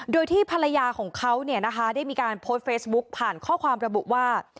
โดยที่ภรรยาของเขาเนี่ยนะคะได้มีการโพสต์เฟซบุ๊กผ่านข้อความระบุว่า